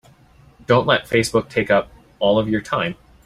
Don't let Facebook take up all of your time.